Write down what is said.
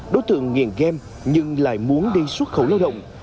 đối tượng nghiện game nhưng lại muốn đi xuất khẩu lao động